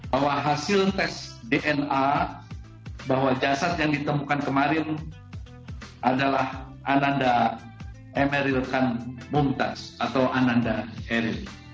bahwa hasil tes dna bahwa jasad yang ditemukan kemarin adalah ananda emeril kan mumtaz atau ananda eril